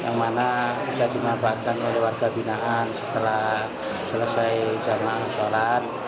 yang mana kita dimabahkan oleh warga binaan setelah selesai jaman sholat